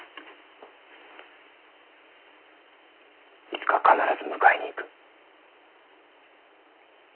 いつか必ず迎えに行く。